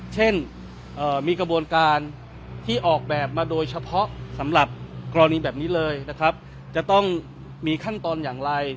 เช่นมีกระบวนการที่ออกแบบมาโดยเฉพาะสำหรับกรณีแบบนี้เลยนะครับจะต้องมีขั้นตอนอย่างไร